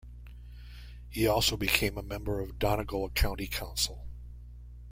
He also became a member of Donegal County Council.